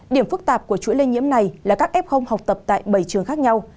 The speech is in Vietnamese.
điểm phức tạp của chuỗi lây nhiễm này là các f học tập tại bảy trường khác nhau